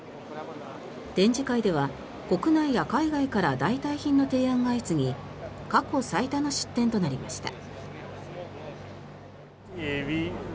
展示会では国内や海外から代替品の提案が相次ぎ過去最多の出展となりました。